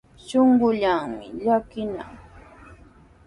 Shuqullaami llakinan.